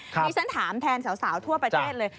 นี่ฉันถามแทนสาวทั่วประเทศเลย